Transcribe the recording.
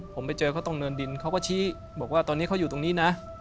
ผมไปเจอเขาตรงเนินดินเขาก็ชี้บอกว่าตอนนี้เขาอยู่ตรงนี้นะ